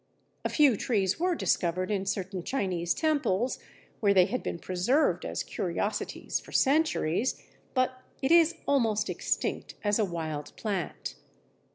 A few trees were discovered in certain Chinese temples, where they had been preserved as curiosities for centuries, but it is almost extinct as a wild plant.